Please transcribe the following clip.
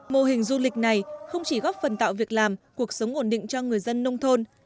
mô hình du lịch này không chỉ góp phần tạo việc làm cuộc sống ổn định cho người dân nông thôn